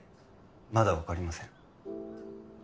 まだ分かりません